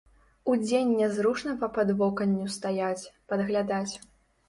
Удзень нязручна па падвоканню стаяць, падглядаць.